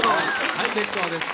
はい結構です。